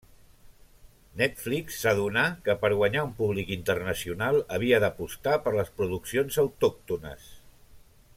Netflix s'adonà que per guanyar un públic internacional havia d'apostar per les produccions autòctones.